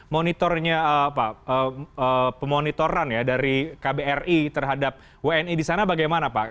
monitornya pemonitoran ya dari kbri terhadap wni di sana bagaimana pak